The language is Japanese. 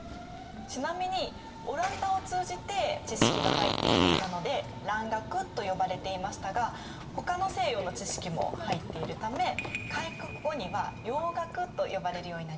ちなみにオランダを通じて知識が入ってきていたので「蘭学」と呼ばれていましたがほかの西洋の知識も入っているため開国後には「洋学」と呼ばれるようになります。